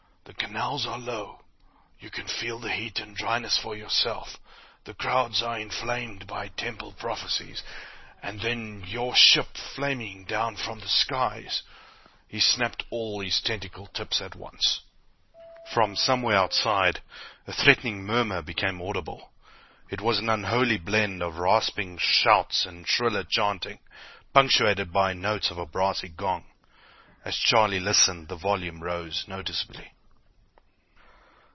"The canals are low. You can feel the heat and dryness for yourself. The crowds are inflamed by temple prophecies. And then, your ship, flaming down from the skies " He snapped all this tentacle tips at once. From somewhere outside, a threatening murmur became audible. It was an unholy blend of rasping shouts and shriller chanting, punctuated by notes of a brassy gong. As Charlie listened, the volume rose noticeably.